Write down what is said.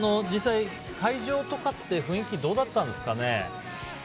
実際、会場とかって雰囲気どうだったんですか？